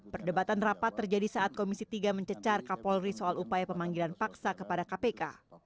perdebatan rapat terjadi saat komisi tiga mencecar kapolri soal upaya pemanggilan paksa kepada kpk